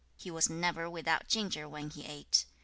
He was never without ginger when he ate.